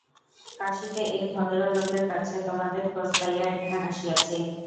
কাশীতে এক ভদ্রলোকের কাছে তোমাদের খোঁজ পাইয়া এখানে আসিয়াছি।